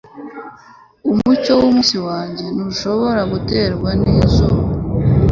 Umucyo wumunsi wanjye ntushobora guterwa nizuba